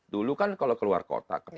dulu kan kalau keluar kota